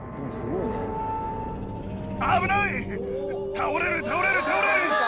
倒れる倒れる倒れる！